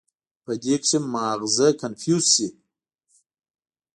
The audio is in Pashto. پۀ دې کښې مازغه کنفيوز شي